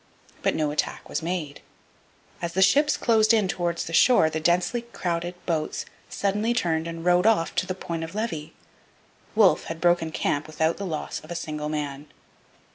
But no attack was made. As the ships closed in towards the shore the densely crowded boats suddenly turned and rowed off to the Point of Levy. Wolfe had broken camp without the loss of a single man.